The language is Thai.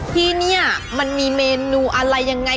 ที่นี่มันมีเมนูอะไรยังไง